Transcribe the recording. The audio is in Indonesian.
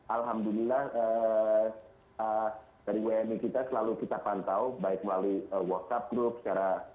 alhamdulillah dari wni kita selalu kita pantau baik melalui whatsapp group secara